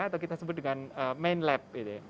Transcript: atau kita sebut dengan main lab